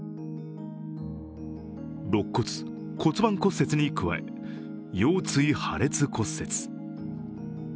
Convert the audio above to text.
ろっ骨・骨盤骨折に加え腰椎破裂骨折。